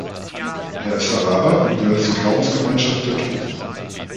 Er ist Araber und gehört zur Glaubensgemeinschaft der Drusen.